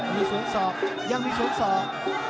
มีสวนศอกยังมีสวนศอก